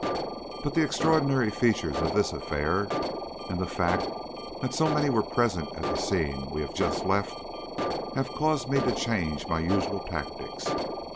But the extraordinary features of this affair, and the fact that so many were present at the scene we have just left, have caused me to change my usual tactics.